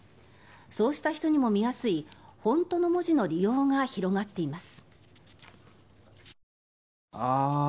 そうした人にも見やすいフォントの文字の利用が広がっています。